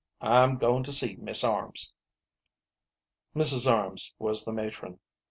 I'm goin' to see Mis' Arms." Mrs. Arms was the matron.